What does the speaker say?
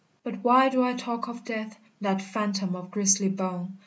"But why do I talk of death, That phantom of grisly bone?